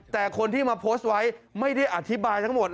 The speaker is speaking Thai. แต่คนที่มาโพสต์ไว้ไม่ได้อธิบายทั้งหมด